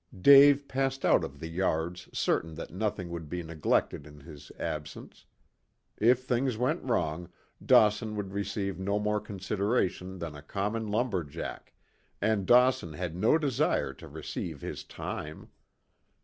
Dave passed out of the yards certain that nothing would be neglected in his absence. If things went wrong Dawson would receive no more consideration than a common lumber jack, and Dawson had no desire to receive his "time."